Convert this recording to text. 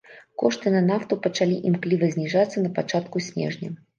Кошты на нафту пачалі імкліва зніжацца на пачатку снежня.